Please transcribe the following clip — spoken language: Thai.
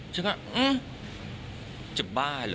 ฉันก็จะบ้าเหรอ